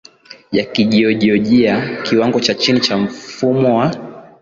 ya Kijojiajia Kiwango cha chini cha mfumo wa